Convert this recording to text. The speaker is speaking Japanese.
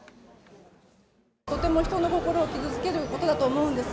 とても人の心を傷つけることだと思うんです。